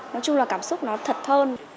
nói chung là cảm xúc nó thật hơn